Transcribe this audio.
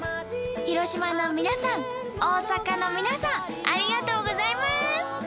広島の皆さん大阪の皆さんありがとうございます！